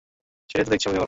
সেটাই তো দেখছি, অপেক্ষা কর।